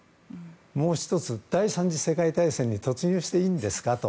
もう１つ、第３次世界大戦に突入していいんですかと。